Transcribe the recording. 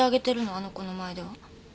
あの子の前では。